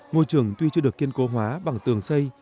ngôi trường tuy chưa được kiên cố hóa bằng tường xây